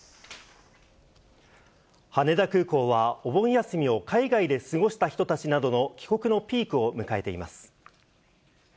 羽田空港は、お盆休みを海外で過ごした人たちなどの帰国のピークを迎えています。